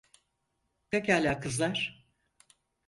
Pekala kızlar.